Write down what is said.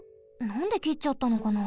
なんできっちゃったのかな。